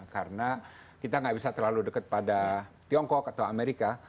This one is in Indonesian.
karena kita nggak bisa terlalu dekat pada tiongkok atau amerika